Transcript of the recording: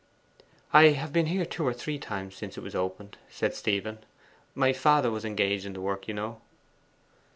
'I have been here two or three times since it was opened,' said Stephen. 'My father was engaged in the work, you know.